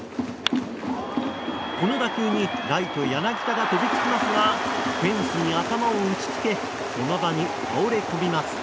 この打球にライト、柳田が飛びつきますがフェンスに頭を打ち付けその場に倒れ込みます。